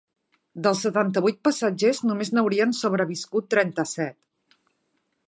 Dels setanta-vuit passatgers només n’haurien sobreviscut trenta-set.